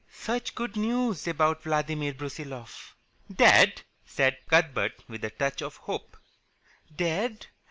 "Such good news about Vladimir Brusiloff." "Dead?" said Cuthbert, with a touch of hope. "Dead?